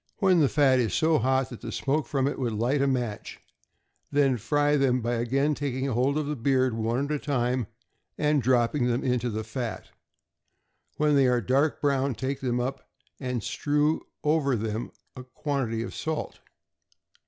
When the fat is so hot that the smoke from it would light a match, then fry them by again taking hold of the beard, one at a time, and dropping them into the fat. When they are dark brown, take them up, and strew over them a quantity of salt.